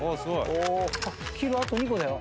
黄色あと２個だよ。